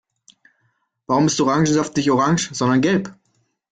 Warum ist Orangensaft nicht orange, sondern gelb?